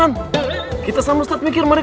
maka dari itu kita lagi